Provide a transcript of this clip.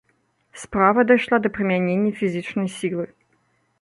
Справа дайшла да прымянення фізічнай сілы.